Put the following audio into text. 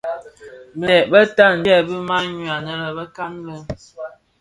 Binted bitan byèbi manyu anë bekan lè.